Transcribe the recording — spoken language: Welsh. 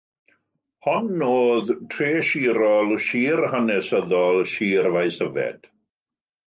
Hon oedd tref sirol sir hanesyddol Sir Faesyfed.